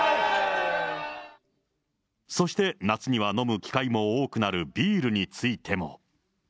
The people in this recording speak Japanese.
そして、夏には飲む機会も多くなるビールについても。